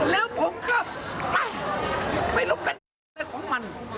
แล้วผมก็ไม่รู้เป็นอะไรของมัน